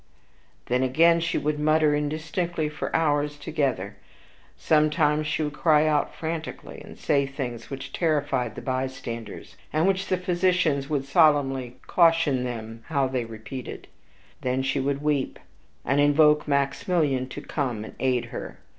Then, again, she would mutter indistinctly for hours together; sometimes she would cry out frantically, and say things which terrified the bystanders, and which the physicians would solemnly caution them how they repeated; then she would weep, and invoke Maximilian to come and aid her.